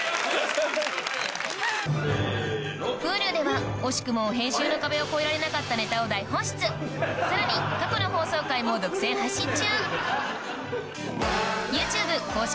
Ｈｕｌｕでは惜しくも編集の壁を超えられなかったネタを大放出さらに過去の放送回も独占配信中